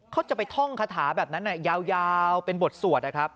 เขาจะไปท่องคาถาแบบนั้นยาวเป็นบทสวดนะครับ